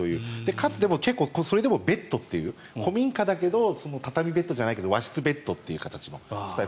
かつ、それでもベッドという古民家だけど畳ベッドじゃないけど和室ベッドという形のスタイル。